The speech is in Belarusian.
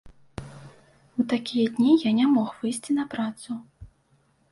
У такія дні я не мог выйсці на працу.